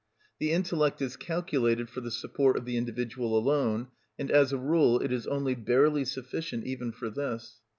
The intellect is calculated for the support of the individual alone, and as a rule it is only barely sufficient even for this.